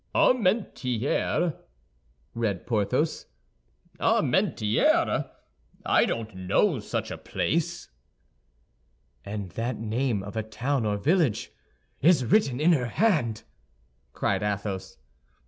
"Armentières," read Porthos; "Armentières? I don't know such a place." "And that name of a town or village is written in her hand!" cried Athos.